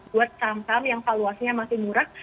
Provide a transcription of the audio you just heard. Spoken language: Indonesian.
buat saham saham yang valuasinya masih murah